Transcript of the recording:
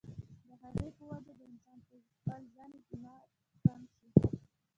د هغې پۀ وجه د انسان پۀ خپل ځان اعتماد کم شي